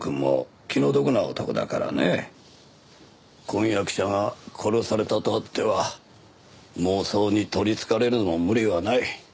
婚約者が殺されたとあっては妄想に取りつかれるのも無理はない。